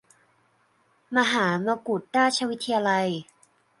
มหามกุฏราชวิทยาลัย